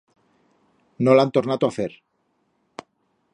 No l'han tornato a fer.